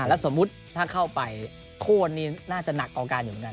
แล้วสมมุติถ้าเข้าไปโค้นนี่น่าจะหนักกว่าการอยู่เหมือนกัน